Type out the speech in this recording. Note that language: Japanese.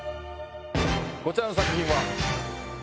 こちらの作品は。